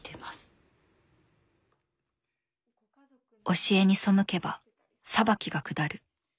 「教えに背けば裁きが下る」。